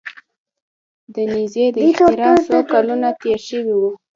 د نیزې د اختراع څو کلونه تیر شوي وو.